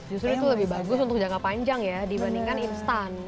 justru itu lebih bagus untuk jangka panjang ya dibandingkan instan